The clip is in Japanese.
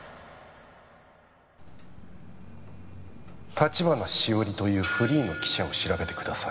☎橘しおりというフリーの記者を調べてください